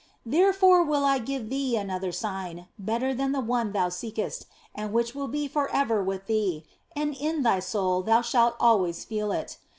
Therefore will I give thee another sign, better than the one thou seekest, and which will be for ever with thee, and in thy soul thou shalt always feel it.